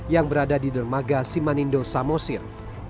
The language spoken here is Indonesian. yang berada di dermaga simanindo samosir